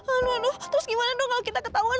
anu anu terus gimana dong kalo kita ketahuan